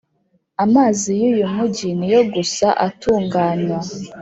amazi y'uyu mujyi niyo gusa atunganywa